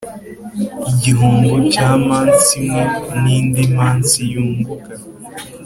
igihombo cya mans imwe nindi mans yunguka